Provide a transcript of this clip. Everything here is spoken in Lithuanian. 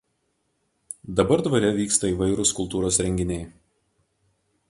Dabar dvare vyksta įvairūs kultūros renginiai.